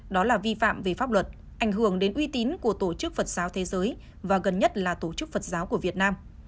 đó là vi phạm về pháp luật ảnh hưởng đến uy tín của tổ chức phật giáo thế giới và gần nhất là tổ chức phật giáo của việt nam